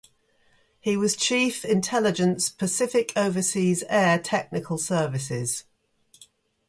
He was chief, intelligence, Pacific Overseas Air Technical Services.